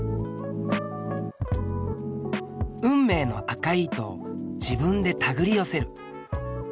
運命の赤い糸を自分でたぐり寄せる。